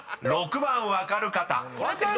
［６番分かる方］